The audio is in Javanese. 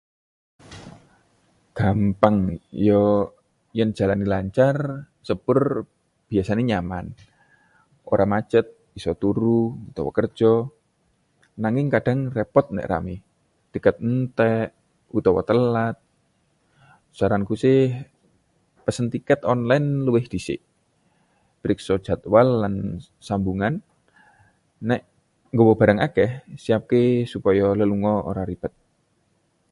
Gampang, yo — yen jalane lancar. Sepur biasane nyaman, ora macet, isa turu utawa kerja. Nanging kadhang repot nek rame, tiket entèk, utawa telat. Saranku se, pesen tiket online luwih dhisik, priksa jadwal lan sambungan. Nek nggawa barang akeh, siapke supaya lelunga ora ribet.